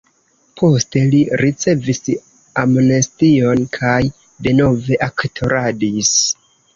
Poste li ricevis amnestion kaj denove aktoradis.